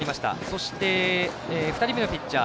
そして、２人目のピッチャー